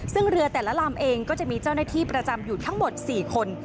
ซึ่งเรือแต่ละลำเองก็จะมีเจ้าหน้าที่ประจำอยู่ทั้งหมด๔คน